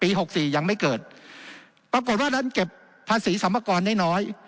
หกสี่ยังไม่เกิดปรากฏว่านั้นเก็บภาษีสรรพากรได้น้อย